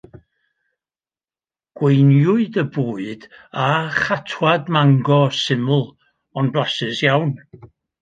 Gweinwyd y bwyd â chatwad mango syml ond blasus iawn.